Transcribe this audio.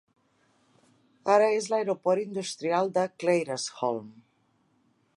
Ara és l'aeroport industrial de Claresholm.